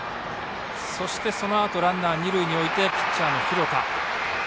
そしてランナーを二塁に置いて、ピッチャーの廣田。